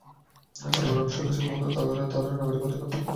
পরিবারের অন্য সদস্যদের মতো তাদেরও নাগরিক অধিকার ভোগ করার সুযোগ রয়েছে।